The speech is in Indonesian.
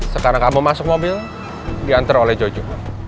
sekarang kamu masuk mobil diantar oleh jojo